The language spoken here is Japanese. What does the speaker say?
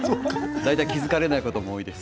大体、気付かれないことも多いです。